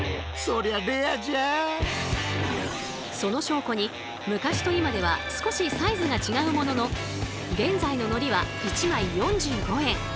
その証拠に昔と今では少しサイズが違うものの現在の海苔は１枚４５円。